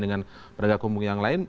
dengan pedagang umum yang lain